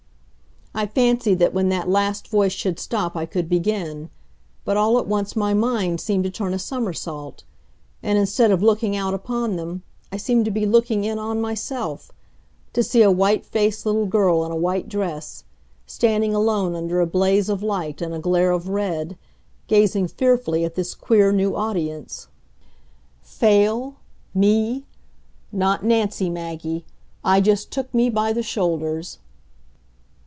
I fancied that when that last voice should stop I could begin, but all at once my mind seemed to turn a somersault, and, instead of looking out upon them, I seemed to be looking in on myself to see a white faced little girl in a white dress, standing alone under a blaze of light in a glare of red, gazing fearfully at this queer, new audience. Fail? Me? Not Nancy, Maggie. I just took me by the shoulders.